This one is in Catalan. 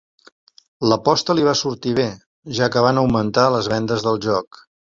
L'aposta li va sortir bé, ja que van augmentar les vendes del joc.